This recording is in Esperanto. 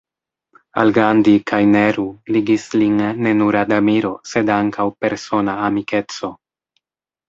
Al Gandhi kaj Nehru ligis lin ne nur admiro sed ankaŭ persona amikeco.